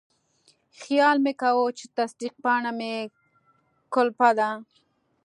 خیال مې کاوه چې تصدیق پاڼه مې کلپه ده.